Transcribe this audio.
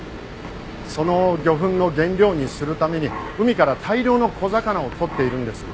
その魚粉の原料にするために海から大量の小魚を取っているんです。